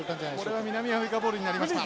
これは南アフリカボールになりました。